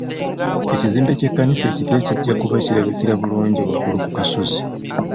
Ekizimbe ky'ekkanisa ekipya kijja kuba kirabikira bulungi waggulu ku kasozi.